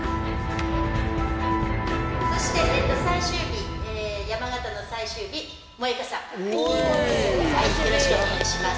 そして最終日山形の最終日はいよろしくお願いします。